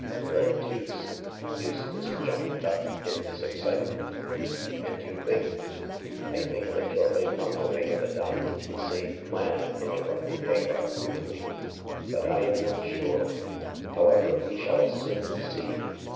The deuce !" Eustace jumped up in his ex citement. " And you think —"" I think that your late uncle may have adopted the same plan," interrupted Hagar, coolly, " but I am not sure. However, we shall soon see."